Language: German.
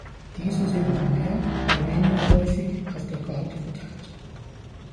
Diese sind mal mehr, mal weniger häufig auf der Karte verteilt.